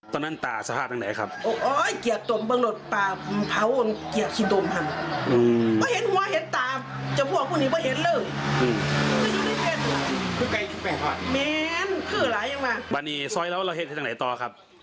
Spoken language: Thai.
ตอนนั้นตาสะหารอย่างไหนครับ